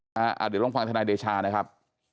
เดี๋ยวลองฟังธนายเดชานะครับ